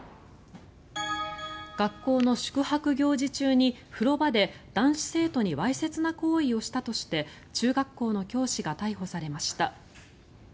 学校の宿泊行事中に風呂場で男子生徒にわいせつな行為をしたとして中学校の教師が逮捕されました。